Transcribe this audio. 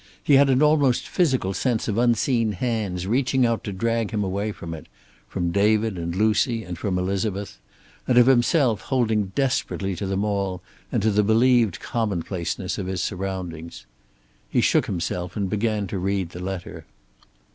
He had an almost physical sense of unseen hands reaching out to drag him away from it; from David and Lucy, and from Elizabeth. And of himself holding desperately to them all, and to the believed commonplaceness of his surroundings. He shook himself and began to read the letter.